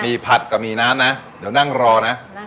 มีผัดขอมีน้ำนะนั่งรอนะ